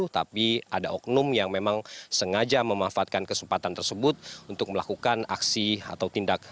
tapi ada oknum yang memang sengaja memanfaatkan kesempatan tersebut untuk melakukan aksi atau tindakan